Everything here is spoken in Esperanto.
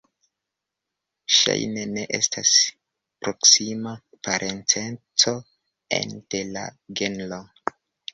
Ŝajne ne estas proksima parenceco ene de la genro.